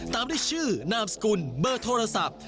ตามด้วยชื่อนามสกุลเบอร์โทรศัพท์